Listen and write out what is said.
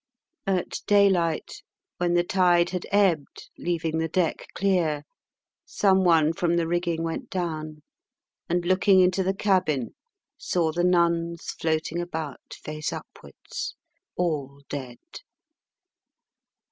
At daylight, when the tide had ebbed, leaving the deck clear, some one from the rigging went down, and, looking into the cabin, saw the nuns floating about face upwards, all dead.